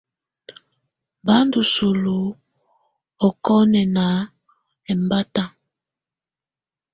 Bá ndù sulu ɔkɔnɛnana ɛmbata.